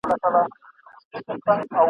چي هوس کوې چي خاندې انسانان درته ګډیږي ..